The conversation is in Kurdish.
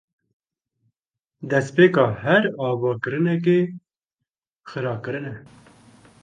Destpêka her avakirinekê, xirakirin e.